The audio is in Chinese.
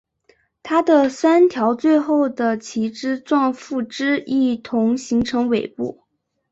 它的三条最后的旗帜状附肢一同形成尾部。